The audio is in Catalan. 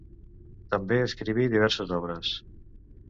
També escriví diverses obres.